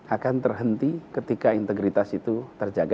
akan terhenti ketika integritas itu terjaga